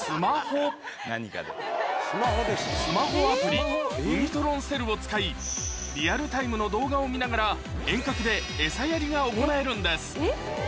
スマホアプリを使いリアルタイムの動画を見ながら遠隔で餌やりが行えるんです